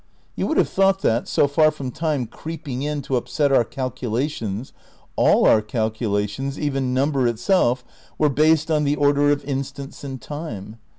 You would have thought that, so far from time "creeping in" to upset our calculations, all our calculations (even number itself) were based on the order of instants in time.